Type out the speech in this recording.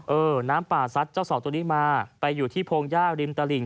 เออน้ำป่าซัดเจ้าสองตัวนี้มาไปอยู่ที่พงหญ้าริมตลิ่ง